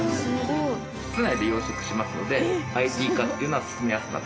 室内で養殖しますのでＩＴ化っていうのは進めやすくなっています。